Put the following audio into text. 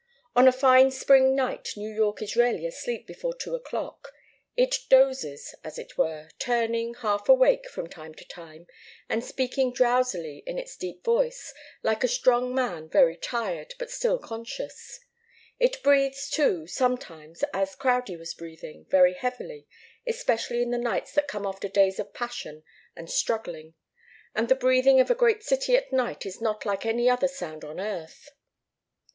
On a fine spring night New York is rarely asleep before two o'clock. It dozes, as it were, turning, half awake, from time to time, and speaking drowsily in its deep voice, like a strong man very tired, but still conscious. It breathes, too, sometimes, as Crowdie was breathing, very heavily, especially in the nights that come after days of passion and struggling; and the breathing of a great city at night is not like any other sound on earth.